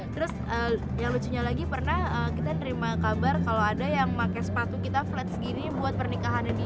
terus yang lucunya lagi pernah kita nerima kabar kalau ada yang pakai sepatu kita flat segini buat pernikahannya dia